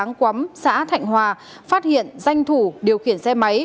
áng quắm xã thạnh hòa phát hiện danh thủ điều khiển xe máy